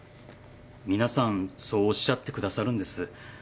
みなさんそうおっしゃってくださるんです。